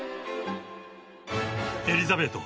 エリザベート